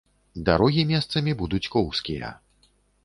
Дарогі месцамі будуць коўзкія.